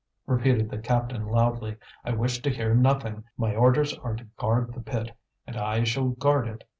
"Keep off!" repeated the captain loudly. "I wish to hear nothing. My orders are to guard the pit, and I shall guard it.